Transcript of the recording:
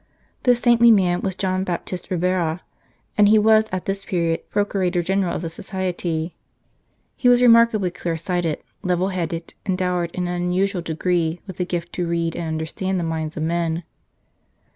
24 Death of Count Frederick This saintly man was John Baptist Ribera, and he was at this period Procurator General of the Society. He was remarkably clear sighted, level headed, and dowered in an unusual degree with the gift to read and understand the minds of men.